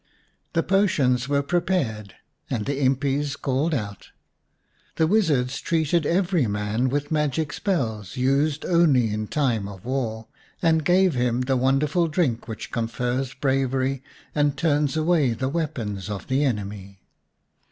The potions were prepared and the impis called out ; the wizards treated every man with magic spells used only in time of war, and gave him the wonderful drink which confers bravery and turns away the weapons of the enemy.